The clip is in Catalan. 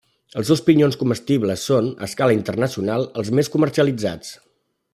Els seus pinyons comestibles són, a escala internacional, els més comercialitzats.